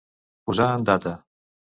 Posar en data.